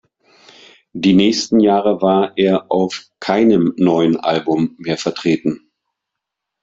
Die nächsten Jahre war er auf keinem neuen Album mehr vertreten.